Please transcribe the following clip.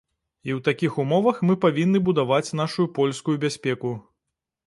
І ў такіх умовах мы павінны будаваць нашую польскую бяспеку.